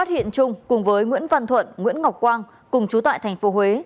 hiện trung cùng với nguyễn văn thuận nguyễn ngọc quang cùng chú tại tp huế